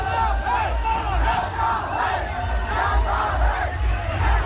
มันอาจจะไม่เอาเห็น